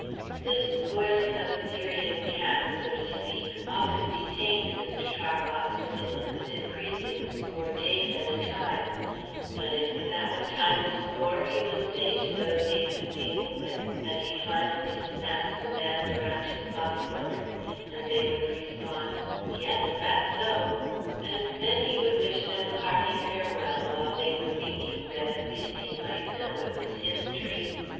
'" This spoiling of Assyrian camps, so to speak, often detained Mr. Tarbox within limited precincts for days at a time; but "Isn't that what time is for?" he would say to those he had been dealing with, as he finally snapped the band around his pocket book; and they would respond, "Yes, that's so." And then he would wish them a hearty farewell, while they were thinking that at least he might know it was his treat.